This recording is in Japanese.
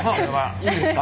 いいですか？